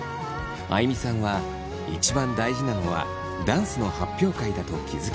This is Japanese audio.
あいみさんは一番大事なのはダンスの発表会だと気付きました。